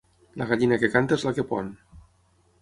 La gallina que canta és la que pon.